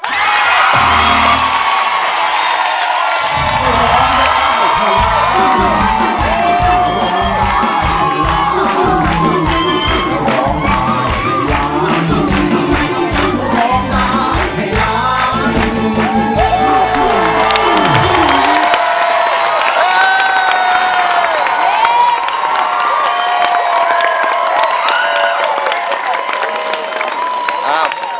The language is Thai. มูลค่าหนึ่งแสนบาทคุณยาหยีร้อง